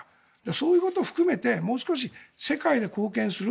そういうことを含めてもう少し世界で貢献する。